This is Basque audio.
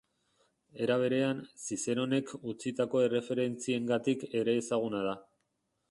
Era berean, Zizeronek utzitako erreferentziengatik ere ezaguna da.